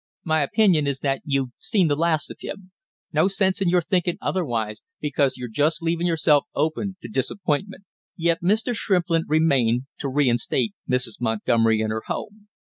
My opinion is that you've seen the last of him; no sense in your thinking otherwise, because you're just leaving yourself open to disappointment!" Yet Mr. Shrimplin remained to reinstate Mrs. Montgomery in her home.